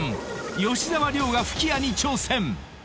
吉沢亮が吹き矢に挑戦］